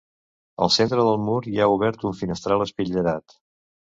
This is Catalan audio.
Al centre del mur hi ha obert un finestral espitllerat.